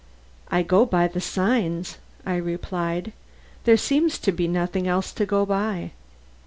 "I go by the signs," I replied. "There seems to be nothing else to go by."